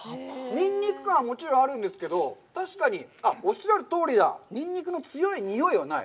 ニンニク感はもちろんあるんですけど、確かに、おっしゃるとおりだ、ニンニクの強い臭いはない。